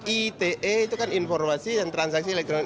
ite itu kan informasi dan transaksi elektronik